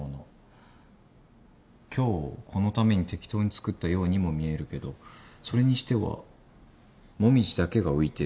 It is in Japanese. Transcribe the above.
今日このために適当に作ったようにも見えるけどそれにしては「モミジ」だけが浮いてる。